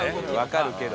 分かるけど。